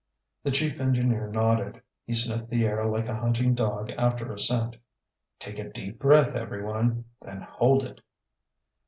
The chief engineer nodded. He sniffed the air like a hunting dog after a scent. "Take a deep breath, everyone, then hold it!"